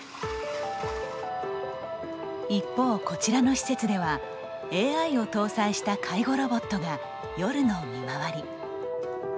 一方こちらの施設ではＡＩを搭載した介護ロボットが夜の見回り。